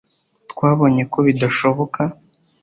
Twabonye ko bidashoboka